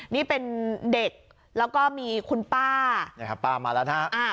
นี่เป็นเด็กแล้วก็มีคุณป้านะครับป้ามาแล้วนะฮะ